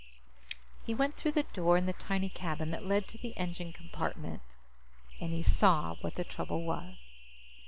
He went through the door in the tiny cabin that led to the engine compartment, and he saw what the trouble was.